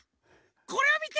これをみて！